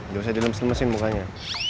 gak usah dilemesin lemesin mukanya